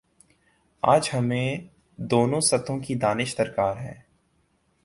آج ہمیںدونوں سطحوں کی دانش درکار ہے